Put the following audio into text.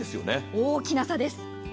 大きな差です。